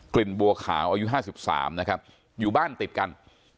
่นบัวขาวอายุ๕๓นะครับอยู่บ้านติดกัน